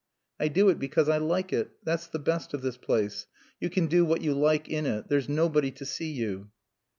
"I do it because I like it. That's the best of this place. You can do what you like in it. There's nobody to see you."